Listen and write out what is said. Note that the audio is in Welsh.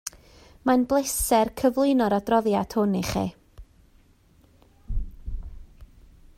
Mae'n bleser cyflwyno'r adroddiad hwn ichi